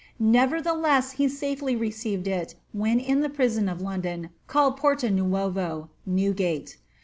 Nevertheless he safely received it when in the prison of London called Porta nuavo (Newgate).